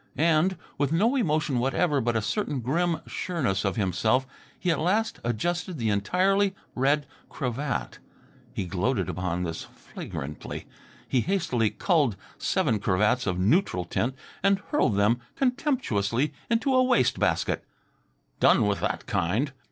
And, with no emotion whatever but a certain grim sureness of himself, he at last adjusted the entirely red cravat. He gloated upon this flagrantly. He hastily culled seven cravats of neutral tint and hurled them contemptuously into a waste basket. Done with that kind!